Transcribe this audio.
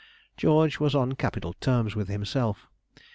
George was on capital terms with himself.